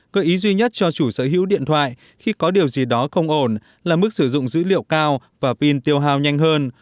cơ ý duy nhất cho chủ sở hữu điện thoại khi có điều gì đó không ổn là mức sử dụng dữ liệu cao và pin tiêu hào nhanh hơn